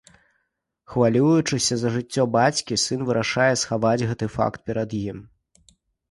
Хвалюючыся за жыццё бацькі, сын вырашае схаваць гэты факт перад ім.